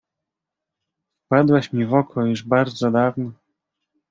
Wpadłaś mi w oko już bardzo dawno.